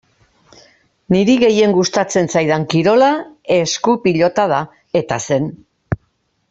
Niri gehien gustatzen zaidan kirola esku-pilota da eta zen.